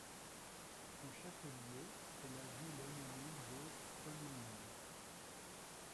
Son chef-lieu est la ville homonyme de Tolhuin.